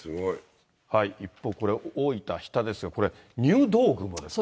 一方、これ、大分・日田ですが、これ、入道雲ですか。